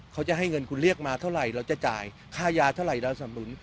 เขาจะให้เงินคุณเรียกมาเท่าไหร่เราจะจ่ายค่ายาเท่าไหร่เราสำนุน